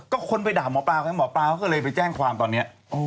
ก็คนไปด่าหมอปลากันหมอปลาเขาก็เลยไปแจ้งความตอนนี้